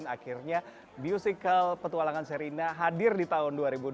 akhirnya musical petualangan serina hadir di tahun dua ribu dua puluh